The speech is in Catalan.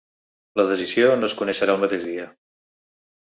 La decisió no es coneixerà el mateix dia.